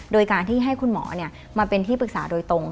โดยการที่ให้คุณหมอมาเป็นที่ปรึกษาโดยตรง